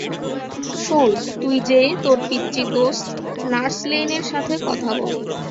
শোন তুই যেয়ে তোর পিচ্চি দোস্ত নার্স লেইন এর সাথে কথা বল।